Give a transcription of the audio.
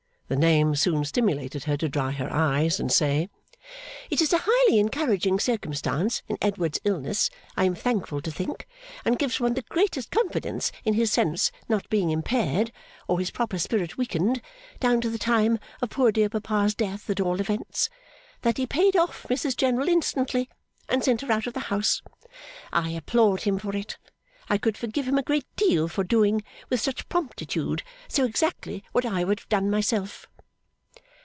The name soon stimulated her to dry her eyes and say: 'It is a highly encouraging circumstance in Edward's illness, I am thankful to think, and gives one the greatest confidence in his sense not being impaired, or his proper spirit weakened down to the time of poor dear papa's death at all events that he paid off Mrs General instantly, and sent her out of the house. I applaud him for it. I could forgive him a great deal for doing, with such promptitude, so exactly what I would have done myself!